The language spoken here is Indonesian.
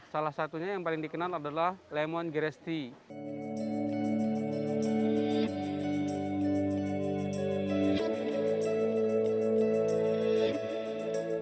salah satunya yang paling dikenal adalah lemon grass tea